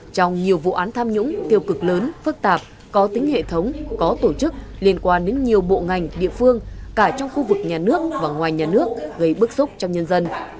trong nhiều vụ án tham nhũng tiêu cực lớn phức tạp có tính hệ thống có tổ chức liên quan đến nhiều bộ ngành địa phương cả trong khu vực nhà nước và ngoài nhà nước gây bức xúc trong nhân dân